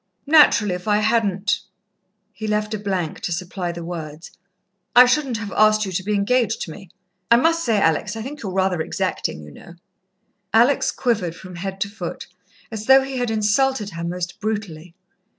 "Naturally, if I hadn't " he left a blank to supply the words, "I shouldn't have asked you to be engaged to me. I must say, Alex, I think you're rather exacting, you know." Alex quivered from head to foot, as though he had insulted her most brutally.